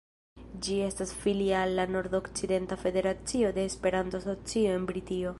Ĝi estas filia al la Nord-Okcidenta Federacio de Esperanto-Asocio de Britio.